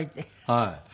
はい。